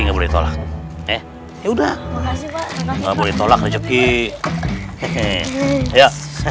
nggak boleh tolak ya udah nggak boleh tolak rezeki ya